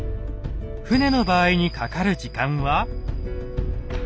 船の場合にかかる時間は。